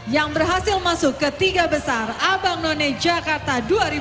yang berhasil masuk ke tiga besar abang none jakarta dua ribu dua puluh